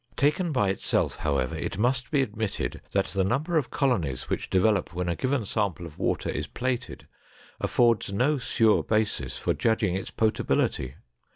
Taken by itself, however, it must be admitted that the number of colonies which develop when a given sample of water is plated affords no sure basis for judging its potability.